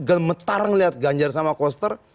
gak mendarat melihat ganjar sama koster